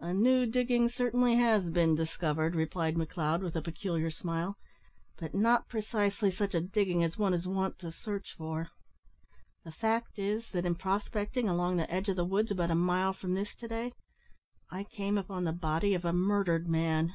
"A new digging certainly has been discovered," replied McLeod, with a peculiar smile, "but not precisely such a digging as one is wont to search for. The fact is, that in prospecting along the edge of the woods about a mile from this to day, I came upon the body of a murdered man.